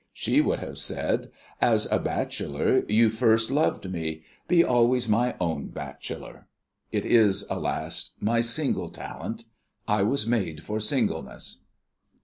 She would have said, 'As a bachelor you first loved me; be always my own bachelor.' It is, alas! my single talent. I was made for singleness."